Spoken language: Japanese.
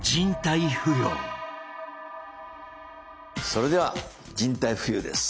それでは人体浮遊です。